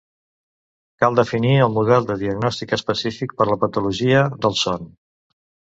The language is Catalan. Cal definir el model de diagnòstic específic per a la patologia del son.